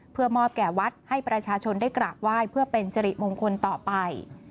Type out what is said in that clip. เพื่อมอบแก่วัดให้ประชาชนได้กราบไหว้เพื่อเป็นสิริมงคลต่อไป